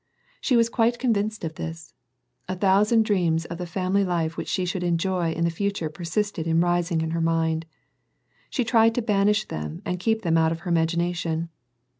She was quite convinced of this. A thousand dreams of the family life which she should enjoy in the future persisted in rising in her mind. She tried to banish them, and keep them out of her imagination.